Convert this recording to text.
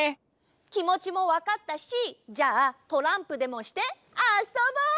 きもちもわかったしじゃあトランプでもしてあそぼう！